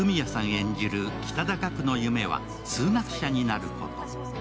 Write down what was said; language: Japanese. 演じる北田岳の夢は数学者になること。